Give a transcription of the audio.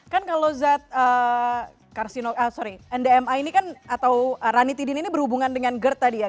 kan kalau zat ndma ini kan atau rani tidin ini berhubungan dengan gerd tadi ya